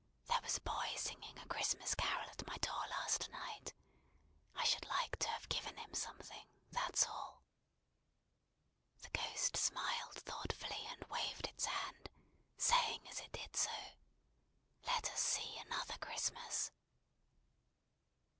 There was a boy singing a Christmas Carol at my door last night. I should like to have given him something: that's all." The Ghost smiled thoughtfully, and waved its hand: saying as it did so, "Let us see another Christmas!"